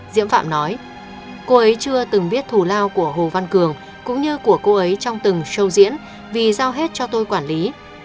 diễm phạm nói cô ấy chưa từng biết thù lao của hồ văn cường cũng như của cô ấy trong từng show diễn vì giao hết cho tôi quản lý